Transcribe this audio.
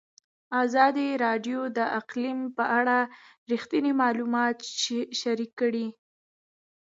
ازادي راډیو د اقلیم په اړه رښتیني معلومات شریک کړي.